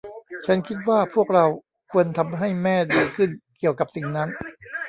ฉันคิดว่าพวกเราควรทำให้แม่ดีขึ้นเกี่ยวกับสิ่งนั้น